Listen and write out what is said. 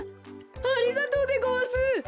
ありがとうでごわす！